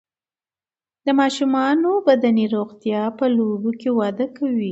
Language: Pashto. د ماشومانو بدني روغتیا په لوبو کې وده کوي.